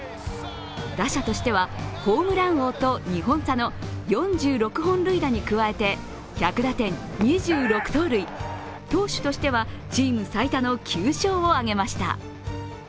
打者としてはホームラン王と２本差の４６本塁打に加えて、１００打点、２６盗塁、投手としてはチーム最多の９勝を挙げました。